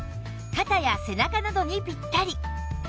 肩や背中などにぴったり